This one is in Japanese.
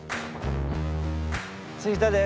着いたで。